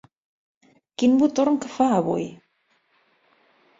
Quin botorn que fa, avui!